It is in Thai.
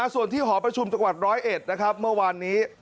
ส่วนที่หอประชุมจังหวัด๑๐๑นะครับเมื่อวานนี้